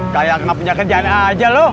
kayak gak punya kerjaan aja lu